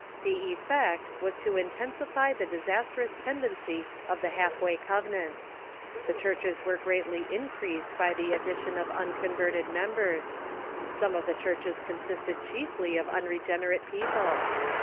The effect was to intensify the disastrous tendency of the Half way Covenant. The clmrches were greatly in creased by the addition of unconverted members. Some of the churches consisted chiefly of unregenerate people.